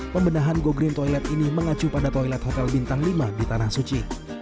pembenahan go green toilet ini mengacu pada toilet hotel bintang lima di tanah suci